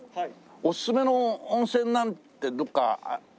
おすすめの温泉なんてどこかあります？